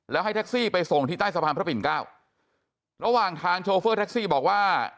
แล้วให้แท็กซี่ไปส่งที่ใต้สะพานพระปิ่นเก้าระหว่างทางโชเฟอร์แท็กซี่บอกว่า